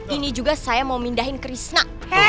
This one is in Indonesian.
ini juga saya mau mindahin krishna